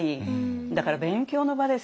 だから勉強の場ですよね。